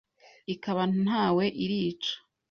ikaba ntawe irica.